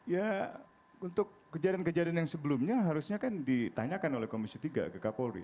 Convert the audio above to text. ya untuk kejadian kejadian yang sebelumnya harusnya kan ditanyakan oleh komisi tiga ke kapolri